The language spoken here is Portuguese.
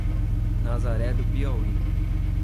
Nazaré do Piauí